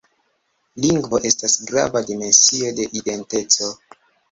Lingvo estas grava dimensio de identeco.